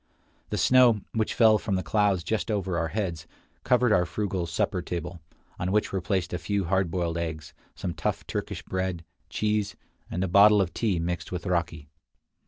The snow, which fell from the clouds just over our heads, covered our frugal supper table, on which were placed a few hard boiled eggs, some tough Turkish bread, cheese, and a bottle of tea mixed with raki.